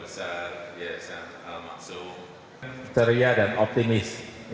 seria dan optimis